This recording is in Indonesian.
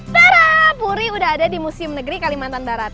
tara puri udah ada di museum negeri kalimantan barat